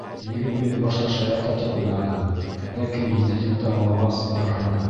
Егет мине башта шаярта тип уйланы, ләкин етдилекте аңлағас, ярһыны.